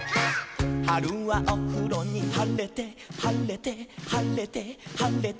「はるはおふろにはれてはれてはれてはれて」